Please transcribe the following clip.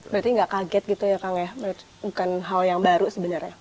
berarti nggak kaget gitu ya kang ya bukan hal yang baru sebenarnya